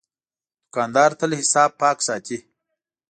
دوکاندار تل حساب پاک ساتي.